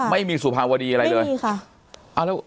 ไม่มีสุภาวดีอะไรเลย